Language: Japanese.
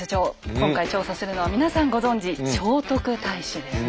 今回調査するのは皆さんご存じ「聖徳太子」ですね。